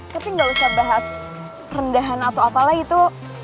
tapi gak usah bahas rendahan atau apalah gitu